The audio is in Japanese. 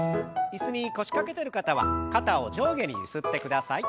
椅子に腰掛けてる方は肩を上下にゆすってください。